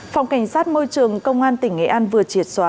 phòng cảnh sát môi trường công an tỉnh nghệ an vừa triệt xóa